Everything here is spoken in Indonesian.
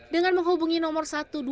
dengan menghubungi nomor satu ratus dua puluh